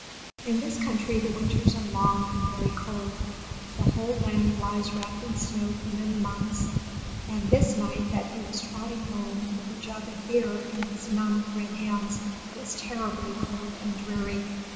In this country the winters are long and very cold, the whole land lies wrapped in snow for many months, and this night that he was trotting home, with a jug of beer in his numb red hands, was terribly cold and dreary.